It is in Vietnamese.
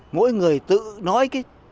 mỗi người tự nói cái